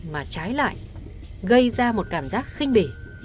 mà trái lại gây ra một cảm giác khinh bể